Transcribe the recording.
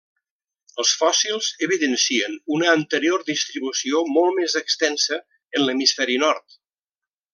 Els fòssils evidencien una anterior distribució molt més extensa en l'hemisferi nord.